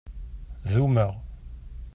Dummeɣ.